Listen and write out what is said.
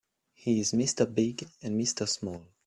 He's Mr. Big and Mr. Small.